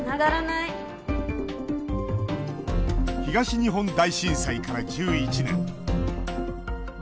東日本大震災から１１年。